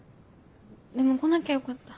でも来なきゃよかった。